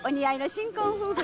新婚夫婦？